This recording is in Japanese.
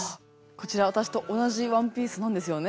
こちら私と同じワンピースなんですよね？